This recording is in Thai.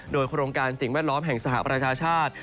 โดยโครงการสิ่งแวดล้อมแห่งสหประชาชาติ